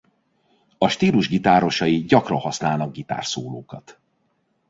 A stílus gitárosai gyakran használnak gitárszólókat.